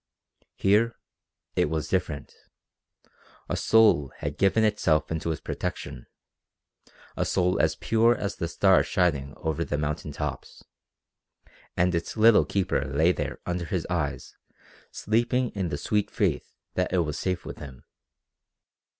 Here it was different. A soul had given itself into his protection, a soul as pure as the stars shining over the mountain tops, and its little keeper lay there under his eyes sleeping in the sweet faith that it was safe with him.